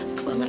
aku udah bangun